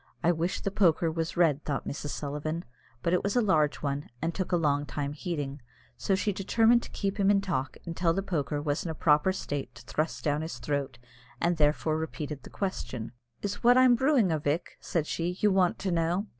"I wish the poker was red," thought Mrs. Sullivan; but it was a large one, and took a long time heating; so she determined to keep him in talk until the poker was in a proper state to thrust down his throat, and therefore repeated the question. "Is it what I'm brewing, a vick," said she, "you want to know?"